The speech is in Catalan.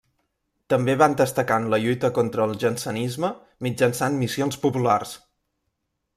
També van destacar en la lluita contra el jansenisme mitjançant missions populars.